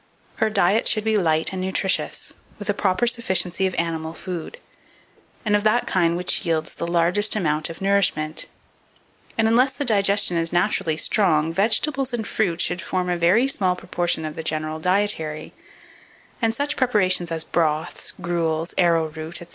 Her diet should be light and nutritious, with a proper sufficiency of animal food, and of that kind which yields the largest amount of nourishment; and, unless the digestion is naturally strong, vegetables and fruit should form a very small proportion of the general dietary, and such preparations as broths, gruels, arrowroot, &c.